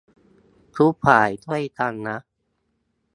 ทุกฝ่าย ช่วยกันนะ